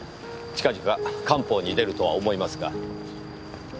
近々官報に出るとは思いますが。